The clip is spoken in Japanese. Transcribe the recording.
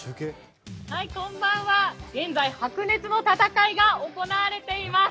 こんばんは、現在、白熱の戦いが行われています。